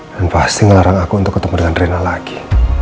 dan pasti ngelarang aku untuk ketemu dengan rina lagi